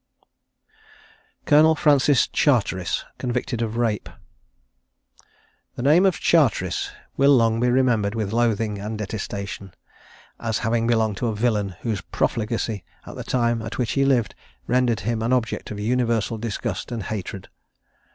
COLONEL FRANCIS CHARTERIS. CONVICTED OF RAPE. The name of Charteris will long be remembered with loathing and detestation, as having belonged to a villain, whose profligacy, at the time at which he lived, rendered him an object of universal disgust and hatred.